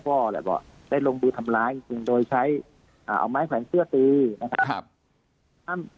ว่าแหละว่าได้ลงบูร์ทำร้ายจริงจริงโดยใช้อ่าเอาไม้แผ่นเสื้อตีนะครับ